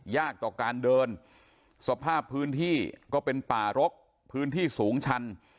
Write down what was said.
ยากต่อการเดินสภาพพื้นที่ก็เป็นป่ารกพื้นที่สูงชัน